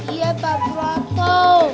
iya bapak tau